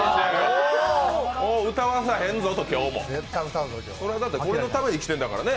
もう歌わさへんぞと、今日もこれのために来てるんだからね。